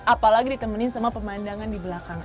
apalagi ditemenin sama pemandangan di belakang